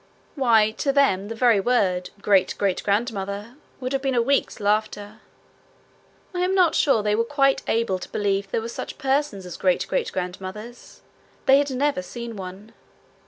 Why, to them the very word 'great great grandmother' would have been a week's laughter! I am not sure that they were able quite to believe there were such persons as great great grandmothers; they had never seen one.